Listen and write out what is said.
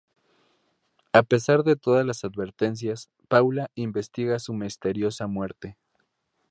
A pesar de todas las advertencias, Paula investiga su misteriosa muerte.